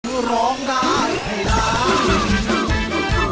เพื่อร้องได้ให้ร้อง